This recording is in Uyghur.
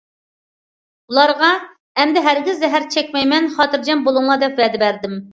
ئۇلارغا: ئەمدى ھەرگىز زەھەر چەكمەيمەن، خاتىرجەم بولۇڭلار، دەپ ۋەدە بەردىم.